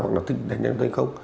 hoặc là thích đánh đánh thánh khóc